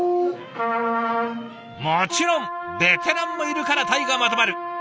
もちろんベテランもいるから隊がまとまる！